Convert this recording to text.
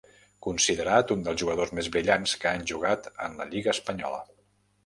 Considerat un dels jugadors més brillants que han jugat en la lliga espanyola.